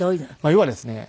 要はですね